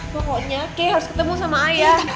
pokoknya key harus ketemu sama ayah